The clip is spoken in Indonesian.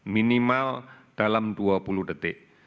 minimal dalam dua puluh detik